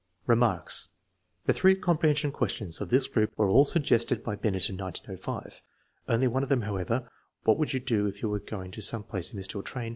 Remarks. The three comprehension questions of this group were all suggested by Binet in 1905. Only one of them, however, " What would you do if you were going some place and missed your train?